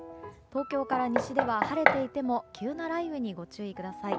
東京から西では晴れていても急な雷雨にご注意ください。